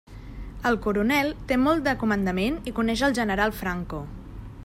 El coronel té molt de comandament i coneix el general Franco.